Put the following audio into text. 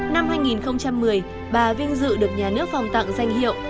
năm hai nghìn một mươi bà vinh dự được nhà nước phòng tặng danh hiệu